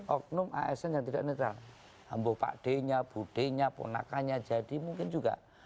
oknum asn yang tidak netral hambu pak d nya bu d nya ponakannya jadi mungkin juga